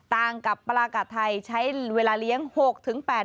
ต่างกับปลากัดไทยใช้เวลาเลี้ยง๖๘ปี